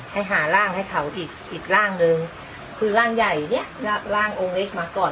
ให้หาร่างให้เขาอีกอีกร่างหนึ่งคือร่างใหญ่เนี้ยลากร่างองค์เล็กมาก่อน